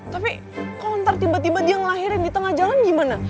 tapi kalau ntar tiba tiba dia ngelahirin di tengah jalan gimana